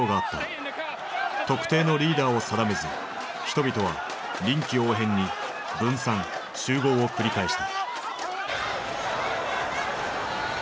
特定のリーダーを定めず人々は臨機応変に分散・集合を繰り返した。